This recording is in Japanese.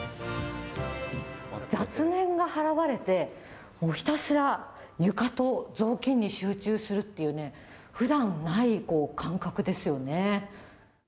雑念が払われて、ひたすら床と雑巾に集中するっていうね、ふだんない感覚ですよね。